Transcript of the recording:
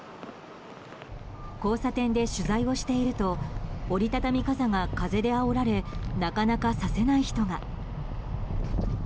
交差点で取材をしていると折りたたみ傘が風であおられなかなか、させない人が。